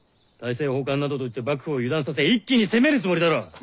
大政奉還などと言って幕府を油断させ一気に攻めるつもりだろう。